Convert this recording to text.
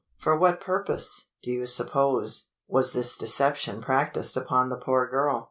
For what purpose, do you suppose, was this deception practised upon the poor girl?"